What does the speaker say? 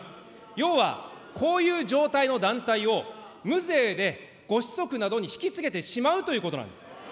要はこういう状態の団体を無税でご子息などに引き継げてしまうということなんです。